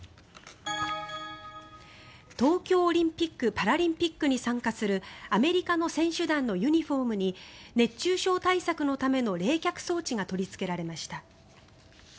東京オリンピック・パラリンピックに参加するアメリカの選手団のユニホームに熱中症対策のための冷却装置が取りつけられました。